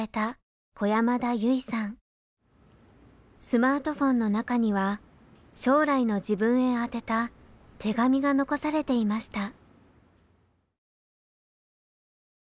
スマートフォンの中には将来の自分へ宛てた手紙が残されていました。